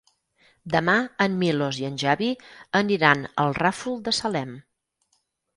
Demà en Milos i en Xavi aniran al Ràfol de Salem.